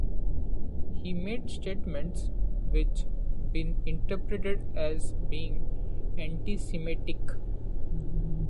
He made statements which have been interpreted as being anti-Semitic.